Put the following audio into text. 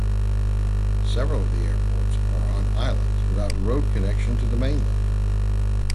Several of the airports are on islands without road connection to the mainland.